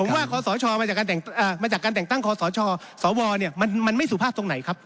มาจากการแต่งตั้งคอสชสวมันไม่สุภาพตรงไหนครับ